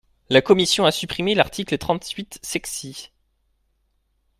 La commission a supprimé l’article trente-huit sexies.